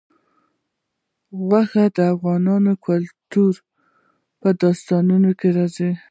غوښې د افغان کلتور په داستانونو کې راځي.